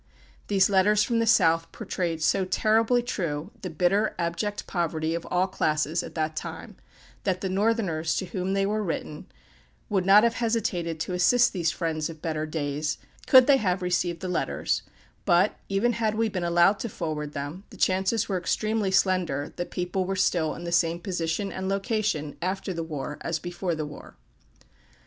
These letters from the South portrayed so terribly true the bitter, abject poverty of all classes, at that time, that the Northerners to whom they were written would not have hesitated to assist these friends of "better days," could they have received the letters; but, even had we been allowed to forward them, the chances were extremely slender that people were still in the same position and location after the war as before the war.